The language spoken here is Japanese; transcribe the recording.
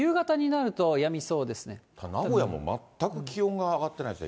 名古屋も全く気温が上がってないですね。